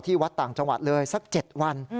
วัดต่างจังหวัดเลยสัก๗วัน